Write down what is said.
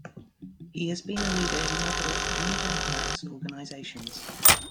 He has been a leader in moderate, "New Democrats" organizations.